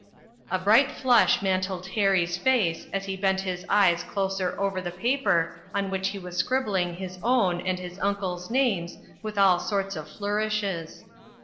A bright flush mantled Harry's face as he bent his eyes closer over the paper on which he was scribbling his own and his uncle's names with all sorts of flourishes.